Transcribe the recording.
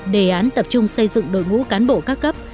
đề án tập trung xây dựng đội ngũ cán bộ các cấp